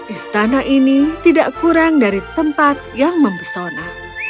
istana ini tidak kurang dari tempat yang mempesona